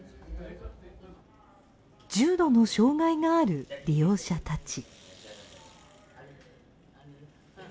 重度の障がいがある利用者たち。